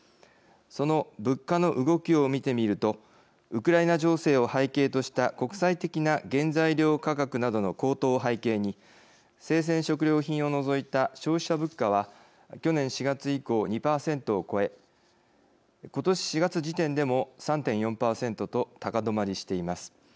その物価の動きを見てみるとウクライナ情勢を背景とした国際的な原材料価格などの高騰を背景に生鮮食料品を除いた消費者物価は去年４月以降、２％を超え今年４月時点でも３．４％と高止まりしています。